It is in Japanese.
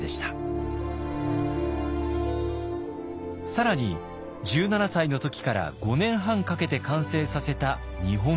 更に１７歳の時から５年半かけて完成させた日本地図。